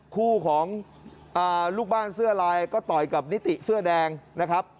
คู่ของลูกบ้านเสื้อลายก็ต่อยกับนิติเสื้อแดงนะครับ